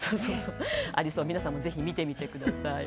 皆さんもぜひ見てみてください。